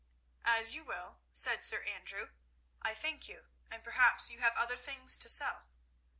"As you will," said Sir Andrew. "I thank you, and perhaps you have other things to sell."